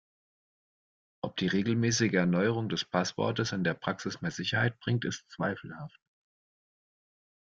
Ob die regelmäßige Erneuerung des Passwortes in der Praxis mehr Sicherheit bringt, ist zweifelhaft.